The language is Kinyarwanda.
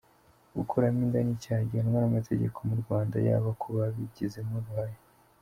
Gukuramo inda ni icyaha gihanwa n’amategeko mu Rwanda yaba ku wabigizemo uruhare.